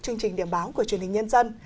chương trình điểm báo của truyền hình nhân dân